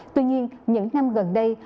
tuy nhiên những năm gần đây